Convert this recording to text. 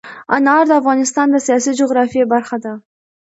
انار د افغانستان د سیاسي جغرافیه برخه ده.